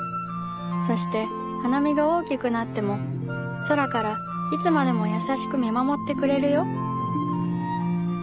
そして華実が大きくなっても空からいつまでも優しく見守ってくれるよ」